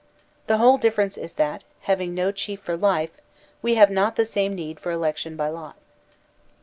The whole difference is that, having no chief for life, we have not the same need for election by lot.